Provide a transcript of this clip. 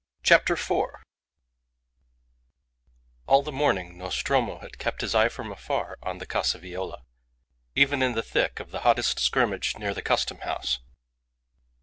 CHAPTER FOUR All the morning Nostromo had kept his eye from afar on the Casa Viola, even in the thick of the hottest scrimmage near the Custom House.